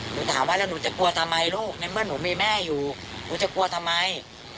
หนูถามว่าแล้วหนูจะกลัวทำไมลูกในเมื่อหนูมีแม่อยู่หนูจะกลัวทำไม